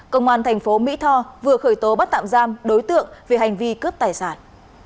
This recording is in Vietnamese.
công an thành phố mỹ tho vừa khởi tố bắt tạm giam đối tượng về hành vi cướp tài sản